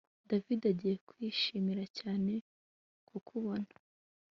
David agiye kwishimira cyane kukubona